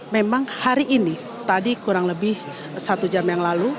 memang hari ini tadi kurang lebih satu jam yang lalu